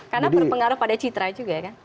karena berpengaruh pada citra juga ya kan